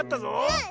うん。